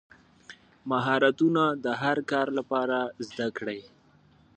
مهارتونه د هر کار لپاره زده کړئ.